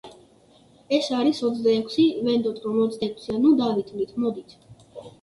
ეს არის ოცდაექვსი, ვენდოთ რომ ოცდაექვსია, ნუ დავითვლით მოდით.